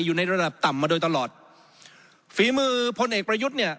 อยู่ในระดับต่ำมาโดยตลอดฝีมือพลเอกประยุทธ์เนี่ย